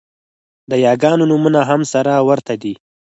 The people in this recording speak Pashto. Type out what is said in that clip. د یاګانو نومونه هم سره ورته دي